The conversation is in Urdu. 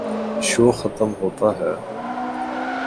شو ختم ہوتا ہے۔